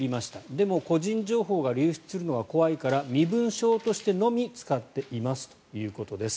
でも個人情報が流出するのが怖いから身分証としてのみ使っていますということです。